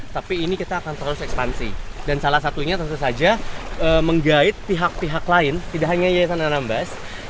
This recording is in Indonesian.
tapi ini kita akan terus ekspansi dan salah satunya tentu saja menggait pihak pihak lain tidak hanya yayasan anambas